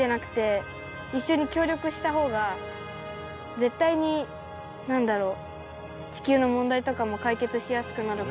絶対になんだろう。